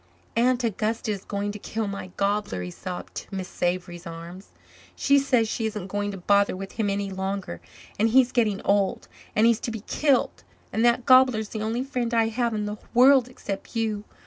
"Aunt Augusta is going to kill my gobbler," he sobbed in Miss Avery's arms. "She says she isn't going to bother with him any longer and he's getting old and he's to be killed. And that gobbler is the only friend I have in the world except you.